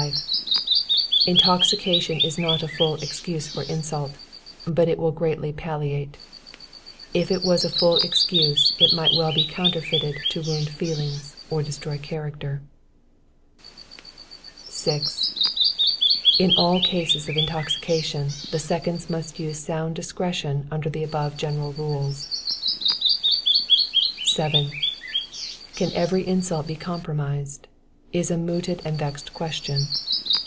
Intoxication is not a full excuse for insult, but it will greatly palliate. If it was a full excuse, it might be well counterfeited to wound feelings, or destroy character. 6. In all cases of intoxication, the seconds must use a sound discretion under the above general rules. 7. Can every insult be compromised? is a mooted and vexed question.